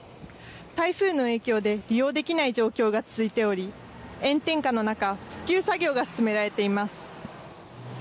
台風の影響で利用できない状況が続いており炎天下の中、復旧作業が進められています。